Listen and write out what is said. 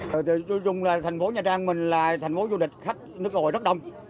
nói chung là thành phố nhà trang mình là thành phố du lịch khách nước ngoài rất đông